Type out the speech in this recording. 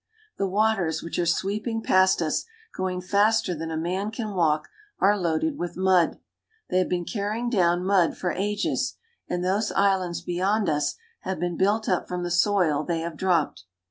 The waters which are sweeping past us, going faster than a man can walk, are loaded with mud. They have been carrying down mud for ages, and those islands beyond us have been built up from the soil they have dropped.